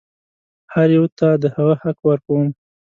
هر یوه ته د هغه حق ورکوم.